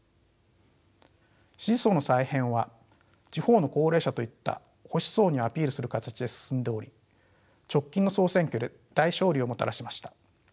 支持層の再編は地方の高齢者といった保守層にアピールする形で進んでおり直近の総選挙で大勝利をもたらしました。